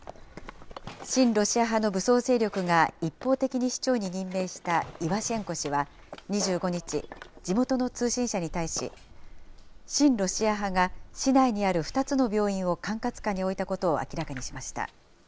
親ロシア派の武装勢力が一方的に市長に任命したイワシェンコ氏は、２５日、地元の通信社に対し、親ロシア派が市内にある２つの病院を管轄下に置いたことを明らかにしました。